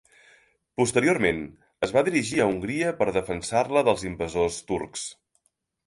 Posteriorment es va dirigir a Hongria per defensar-la dels invasors turcs.